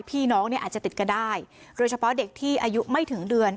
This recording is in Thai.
พี่น้องเนี่ยอาจจะติดกันได้โดยเฉพาะเด็กที่อายุไม่ถึงเดือน